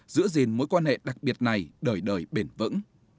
giữ gìn mối quan hệ đặc biệt này đời đời bền vững